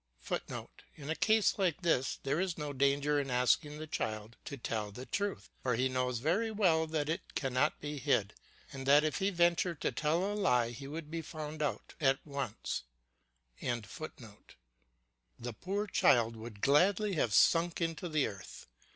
[Footnote: In a case like this there is no danger in asking a child to tell the truth, for he knows very well that it cannot be hid, and that if he ventured to tell a lie he would be found out at once.] The poor child would gladly have sunk into the earth.